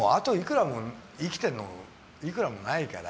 生きてるのあといくらもないから。